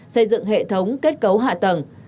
xây dựng hệ thống kết cấu hạ tầng